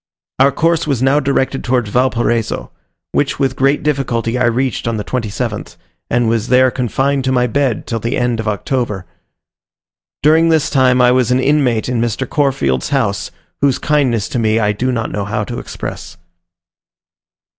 Our course was now directed towards Valparaiso, which with great difficulty I reached on the 27th, and was there confined to my bed till the end of October. During this time I was an inmate in Mr. Corfield's house, whose kindness to me I do not know how to express.